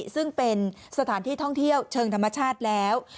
ซึ่งเป็นสถานที่ท่องเที่ยวเชิงธรรมชาติแล้ว